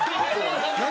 何？